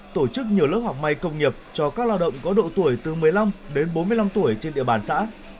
tổ chức nhiều lớp học may công nghiệp cho các lao động có độ tuổi từ một mươi năm đến bốn mươi năm tuổi trên địa bàn xã